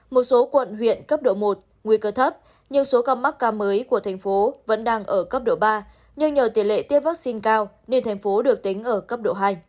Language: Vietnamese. một số quận huyện cấp độ một nguy cơ thấp nhưng số căm mắc cao mới của tp hcm vẫn đang ở cấp độ ba nhưng nhờ tiền lệ tiêm vaccine cao nên tp hcm được tính ở cấp độ hai